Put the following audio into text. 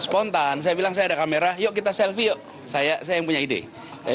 spontan saya bilang saya ada kamera yuk kita selfie yuk saya saya yang punya ide